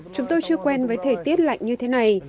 chúng tôi chưa quen với thời tiết lạnh như thế này